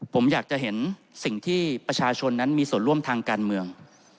ผมอยากจะเห็นสิ่งที่ประชาชนนั้นมีส่วนร่วมทางการเมือง